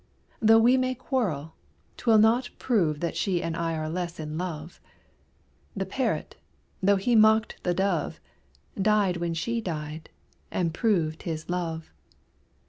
Though we may quarrel, 'twill not prove That she and I are less in love; The parrot, though he mocked the dove, Died when she died, and proved his love.